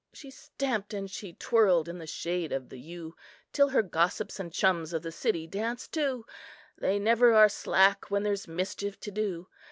"She stamped and she twirled in the shade of the yew, Till her gossips and chums of the city danced too; They never are slack when there's mischief to do.